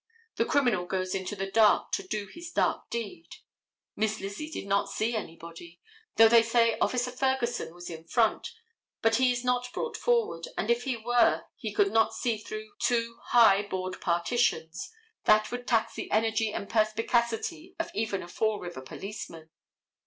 The criminal goes into the dark to do his dark deed. Miss Lizzie did not see anybody, though they say Officer Ferguson was in front, but he is not brought forward, and if he were he could not see through two high board partitions. That would tax the energy and perspicacity of even a Fall River policeman.